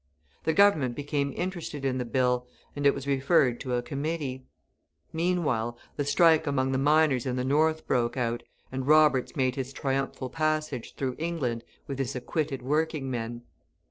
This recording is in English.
The Government became interested in the bill, and it was referred to a committee. Meanwhile the strike among the miners in the North broke out, and Roberts made his triumphal passage through England with his acquitted working men.